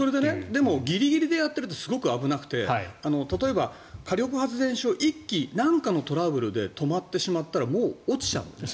でもギリギリでやってるとすごく危なくて例えば火力発電所１基何かのトラブルで止まってしまったらもう落ちちゃうのね。